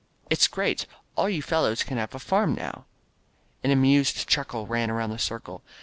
"It's great. All you fellows can have a farm now." An amused chuckle ran around the circle.